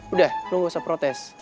udah lo ga usah protes